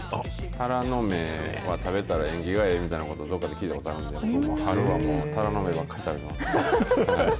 タラの芽は食べたら、縁起がええみたいなことをどっかで聞いたことあるんで、春はもう、タラの芽ばっかり食べてます。